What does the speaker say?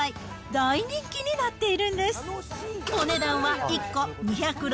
大人気になっているんです。